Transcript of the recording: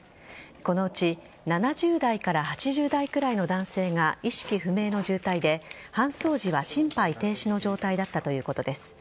このうち７０代から８０代くらいの男性が意識不明の重体で搬送時は心肺停止の状態だったということです。